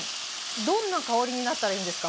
どんな香りになったらいいんですか？